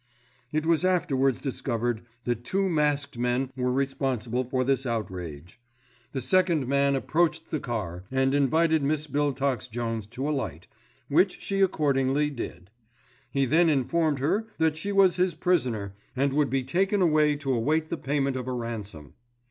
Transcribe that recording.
"It was afterwards discovered that two masked men were responsible for this outrage. The second man approached the car, and invited Miss Biltox Jones to alight, which she accordingly did. He then informed her that she was his prisoner, and would be taken away to await the payment of a ransom.